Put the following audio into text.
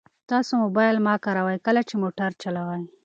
تاسو موبایل مه کاروئ کله چې موټر چلوئ.